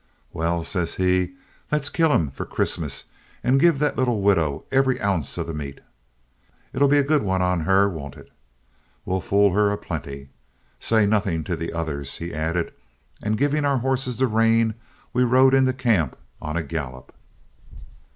'Well,' says he, 'let's kill him for Christmas and give that little widow every ounce of the meat. It'll be a good one on her, won't it? We'll fool her a plenty. Say nothing to the others,' he added; and giving our horses the rein we rode into camp on a gallop.